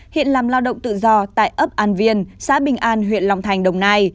hiện làm lao động tự do tại ấp an viên xã bình an huyện long thành đồng nai